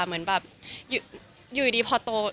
เหมือนแบบอยู่ดีพอโต